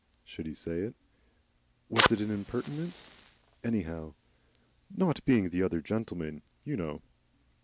Should he say it? Was it an impertinence? Anyhow! "Not being the other gentleman, you know."